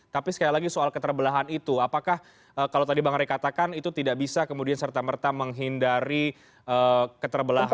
tapi sekali lagi soal keterbelahan itu apakah kalau tadi bang ray katakan itu tidak bisa kemudian serta merta menghindari keterbelahan